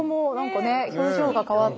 表情が変わって。